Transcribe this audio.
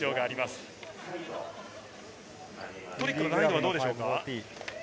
トリックの難易度はどうでしょうか？